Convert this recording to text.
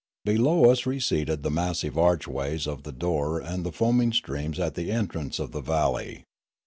Below us receded the massive archways of the door and the foam ing streams at the entrance of the valley.